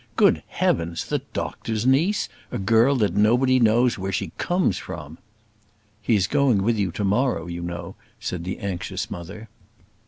Good heavens! the doctor's niece! A girl that nobody knows where she comes from!" "He's going with you to morrow, you know," said the anxious mother.